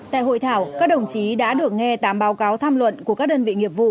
tại hội thảo các đồng chí đã được nghe tám báo cáo tham luận của các đơn vị nghiệp vụ